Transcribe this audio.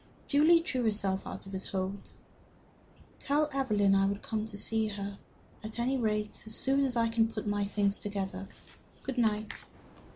Julie drew herself out of his hold. "Tell Evelyn I will come to see her, at any rate, as soon as I can put my things together. Good night."